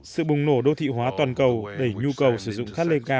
sự bùng nổ đô thị hóa toàn cầu đẩy nhu cầu sử dụng cát lê cao trong khi nguồn cát thì có hạn